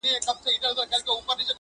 شعر ماښامی یو څو روپۍ او سګرټ